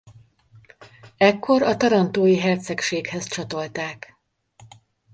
Ekkor a Tarantói Hercegséghez csatolták.